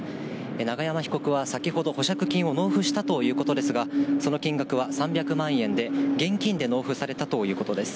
永山被告は先ほど、保釈金を納付したということですが、その金額は３００万円で、現金で納付されたということです。